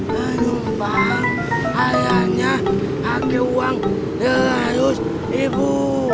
penumpang ayahnya pake uang ratus ribu